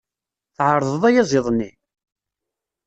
Tεerḍeḍ ayaziḍ-nni?